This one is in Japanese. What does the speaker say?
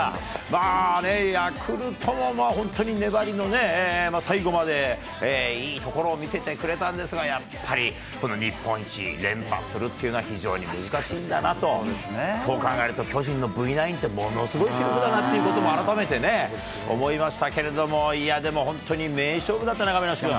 まあね、ヤクルトも本当に粘りのね、最後までいいところを見せてくれたんですが、やっぱり、この日本一連覇するっていうのは、非常に難しいんだなと、そう考えると、巨人のＶ９って、ものすごい記録だなっていうことも改めてね、思いましたけれども、いや、でも本当に名勝負だったね、亀梨君。